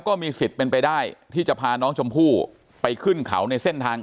ก็มีสิทธิ์เป็นไปได้ที่จะพาน้องชมพู่ไปขึ้นเขาในเส้นทาง